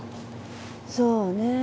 そうね。